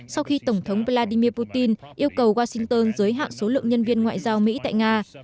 sau khi tổng thống vladimir putin yêu cầu washington giới hạn số lượng nhân viên ngoại giao mỹ tại nga